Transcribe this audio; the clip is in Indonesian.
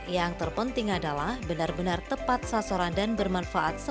yang terpenting adalah benar benar tepat sasaran dan bermanfaat